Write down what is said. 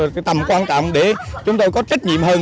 cái tầm quan trọng để chúng tôi có trách nhiệm hơn